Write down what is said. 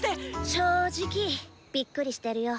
正直びっくりしてるよ。